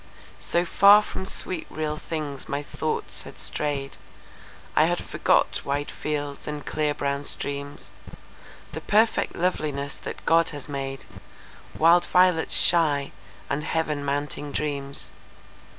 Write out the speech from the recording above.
So far from sweet real things my thoughts had strayed,I had forgot wide fields, and clear brown streams; The perfect loveliness that God has made,—Wild violets shy and Heaven mounting dreams.